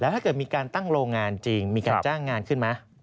ถ้าเกิดมีการตั้งโรงงานจริงมีการจ้างงานขึ้นไหม